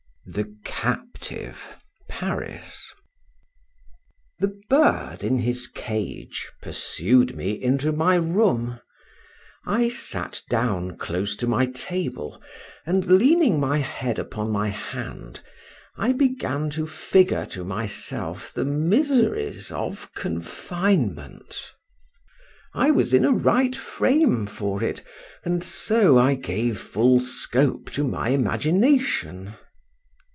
THE CAPTIVE. PARIS. THE bird in his cage pursued me into my room; I sat down close to my table, and leaning my head upon my hand, I began to figure to myself the miseries of confinement. I was in a right frame for it, and so I gave full scope to my imagination.